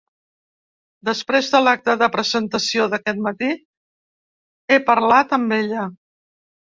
Després de l’acte de presentació d’aquest matí, he parlat amb ella.